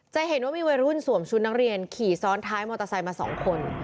จะเห็นว่ามีวัยรุ่นสวมชุดนักเรียนขี่ซ้อนท้ายมอเตอร์ไซค์มา๒คน